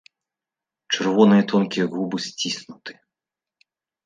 Чырвоныя тонкія губы сціснуты.